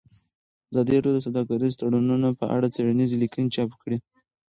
ازادي راډیو د سوداګریز تړونونه په اړه څېړنیزې لیکنې چاپ کړي.